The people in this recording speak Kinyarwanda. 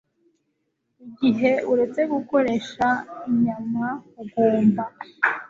Igihe uretse gukoresha inyama, ugomba